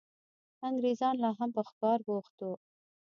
انګرېزان لا هم په ښکار بوخت وو.